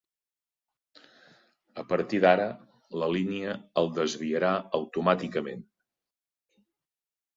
A partir d'ara la línia el desviarà automàticament.